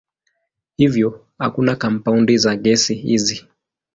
Hivyo hakuna kampaundi za gesi hizi.